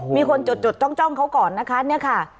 มีคนจดจ้องเขาก่อนนะคะเนี่ยค่ะ